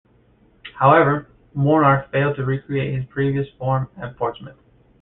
However, Mornar failed to recreate his previous form at Portsmouth.